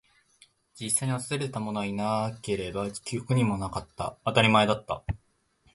実際に訪れたものはいなければ、記憶にもなかった。当たり前だった。